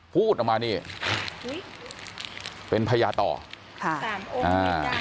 พูดออกมานี่อุ้ยเป็นพญาต่อค่ะอ่า